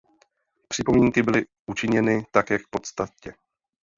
Připomínky byly učiněny také k podstatě.